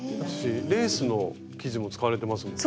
レースの生地も使われてますもんね。